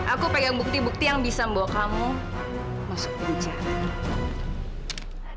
aku pegang bukti bukti yang bisa membawa kamu masuk penjara